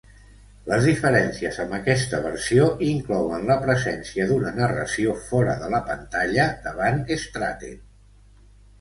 Les diferències amb aquesta versió inclouen la presència d'una narració fora de la pantalla de Van Stratten.